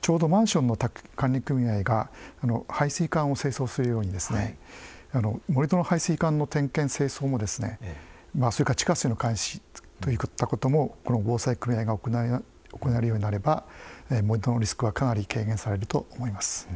ちょうどマンションの管理組合が排水管を清掃するように盛土の排水管の点検・清掃も地下水の監視といったこともこの防災組合が行えるようになれば盛土のリスクはかなり軽減されると思います。